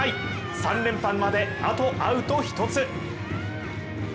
３連覇まであとアウト、一つ。